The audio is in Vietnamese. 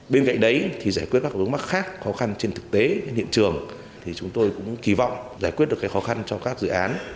bên cạnh đấy thì giải quyết các vướng mắc khác khó khăn trên thực tế hiện trường thì chúng tôi cũng kỳ vọng giải quyết được khó khăn cho các dự án